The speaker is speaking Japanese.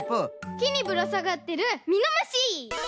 きにぶらさがってるミノムシ！